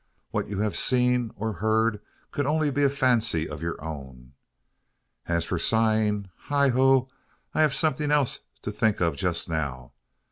What you've seen, or heard, could be only a fancy of your own. As for sighing, heigho! I have something else to think of just now.